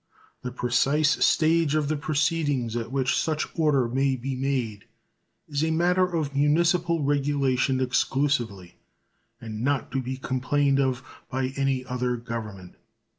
The precise stage of the proceedings at which such order may be made is a matter of municipal regulation exclusively, and not to be complained of by any other government.